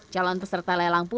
jalan peserta lelang pun